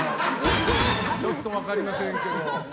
ちょっと分かりませんけど。